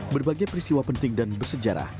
berbagai peristiwa penting dan bersejarah